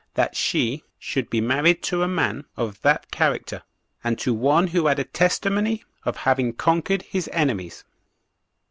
that she should be married to a man of that character, and to one who had a testimony as having conquered his enemies.